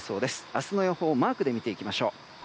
明日の予報をマークで見ていきましょう。